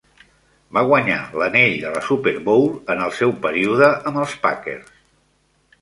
Va guanyar l'anell de la Super Bowl en el seu període amb els Packers.